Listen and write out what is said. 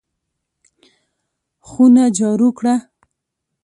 خونه جارو کړه!